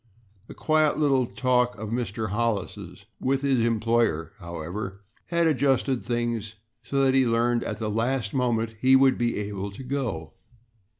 A quiet little talk of Mr. Hollis's with his employer, however, had adjusted things so that he learned at the last moment he would be able to go.